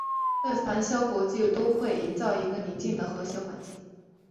为繁嚣国际都会营造一个宁静和谐环境。